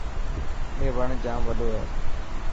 اي وڻ ڄام وڏو هي.